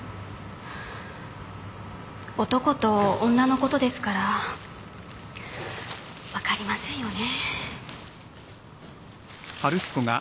男と女のことですから分かりませんよね。